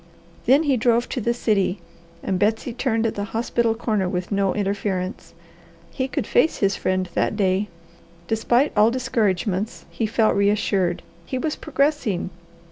Then he drove to the city and Betsy turned at the hospital corner with no interference. He could face his friend that day. Despite all discouragements he felt reassured. He was progressing.